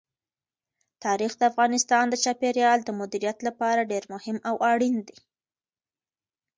تاریخ د افغانستان د چاپیریال د مدیریت لپاره ډېر مهم او اړین دي.